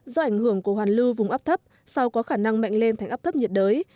do ảnh hưởng của hoàn lưu vùng áp thấp sao có khả năng mạnh lên thành áp thấp nhiệt đới